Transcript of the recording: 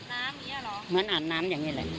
เหมือนอาบน้ำอย่างนี้เหรอเหมือนอาบน้ำอย่างนี้แหละ